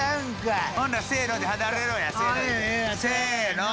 せの。